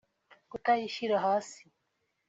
kutayishyira hasi